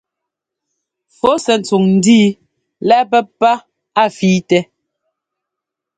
Fu sɛ́ ntsuŋ ńdíi lɛ́ꞌ pɛ́pá a fíitɛ.